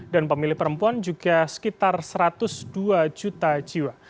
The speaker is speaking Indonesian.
dan pemilih perempuan juga sekitar satu ratus dua juta jiwa